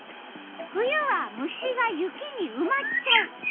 「冬は虫が雪にうまっちゃう」。